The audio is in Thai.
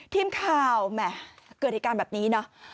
ทีมข่าวเกิดโอกาสแบบนี้